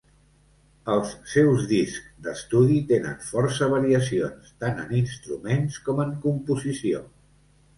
Els seus discs d'estudi tenen força variacions, tant en instruments com en composició.